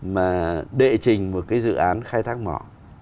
mà đệ trình một dự án khai thác mỏ